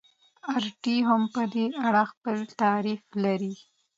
اریټي هم په دې اړه خپل تعریف لري.